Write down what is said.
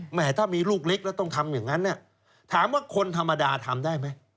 ถ้ามีลูกเล็กแล้วต้องทำอย่างนั้นถามว่าคนธรรมดาทำได้ไหม